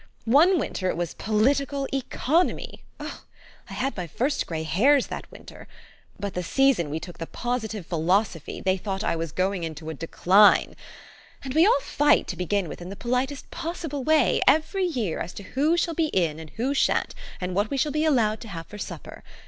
One winter it was political economy. I had my first gray hairs that winter. But the season we took the positive philoso THE STORY OF AVIS. 33 phy, they thought I was going into a decline. And we all fight, to begin with, in the politest possible way, every year, as to who shall be in, and who sha'n't, and what we shall be allowed to have for supper.